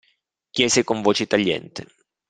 Chiese con voce tagliente.